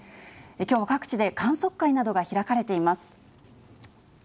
きょうは各地で観測会などが開かれています。